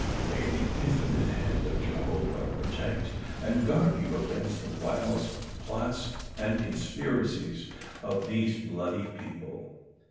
may the Infinite hand of Jehovah protect and guard you against the wiles, plots and con spiracies of these bloody people.